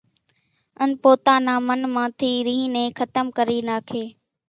ان پوتا نا من مان ٿي رينۿ نين ختم ڪري ناکي،